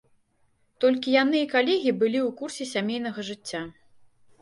Толькі яны і калегі былі ў курсе сямейнага жыцця.